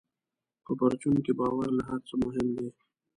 په پرچون کې باور له هر څه مهم دی.